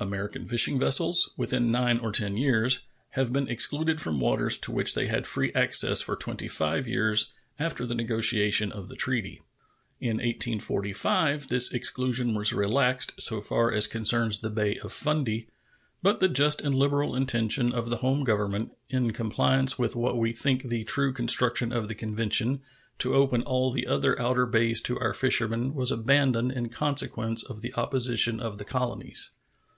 American fishing vessels, within nine or ten years, have been excluded from waters to which they had free access for twenty five years after the negotiation of the treaty. In 1845 this exclusion was relaxed so far as concerns the Bay of Fundy, but the just and liberal intention of the home Government, in compliance with what we think the true construction of the convention, to open all the other outer bays to our fishermen was abandoned in consequence of the opposition of the colonies.